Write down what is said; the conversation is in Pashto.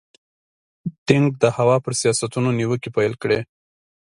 دینګ د هوا پر سیاستونو نیوکې پیل کړې.